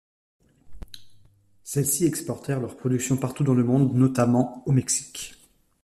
Celles-ci exportèrent leur production partout dans le monde, notamment au Mexique.